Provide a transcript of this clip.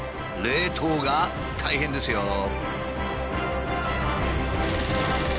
冷凍が大変ですよ。